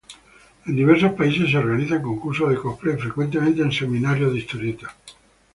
En diversos países se organizan concursos de cosplay, frecuentemente en evento de historieta.